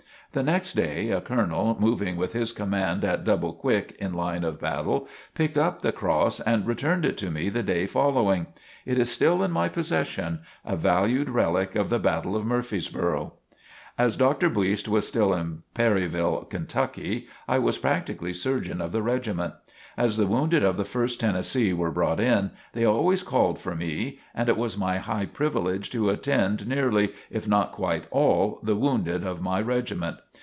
The next day, a colonel, moving with his command at "double quick" in line of battle, picked up the cross and returned it to me the day following. It is still in my possession a valued relic of the Battle of Murfreesboro. As Dr. Buist was still in Perryville, Kentucky, I was practically surgeon of the regiment. As the wounded of the First Tennessee were brought in, they always called for me, and it was my high privilege to attend nearly, if not quite all, the wounded of my regiment.